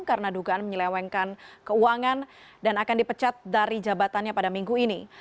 karena dugaan menyelewengkan keuangan dan akan dipecat dari jabatannya pada minggu ini